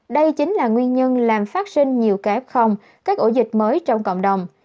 đây chính là nguyên nhân làm phát sinh nhiều cái f các ổ dịch mới trong cộng đồng